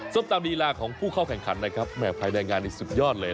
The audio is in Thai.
ตามลีลาของผู้เข้าแข่งขันนะครับแห่ภายในงานนี้สุดยอดเลย